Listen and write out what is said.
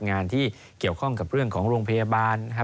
งานที่เกี่ยวข้องกับเรื่องของโรงพยาบาล